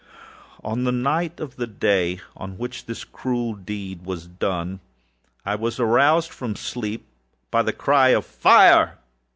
On the night of the day on which this cruel deed was done, I was aroused from sleep by the cry of fire.